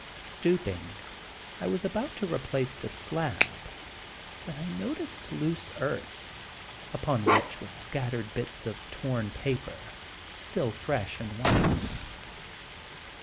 Stooping, I was about to replace the slab, when I noticed loose earth, upon which was scattered bits of torn paper, still fresh and white.